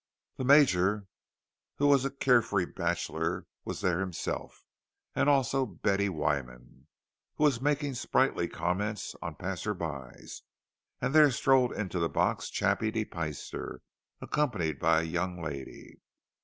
The Major, who was a care free bachelor, was there himself, and also Betty Wyman, who was making sprightly comments on the passers by; and there strolled into the box Chappie de Peyster, accompanied by a young lady.